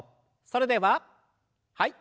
それでははい。